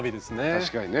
確かにね。